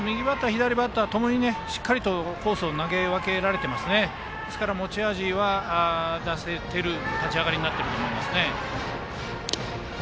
左バッター共にしっかりとコースに投げ分けられていますので持ち味は出せている立ち上がりになっていると思いますね。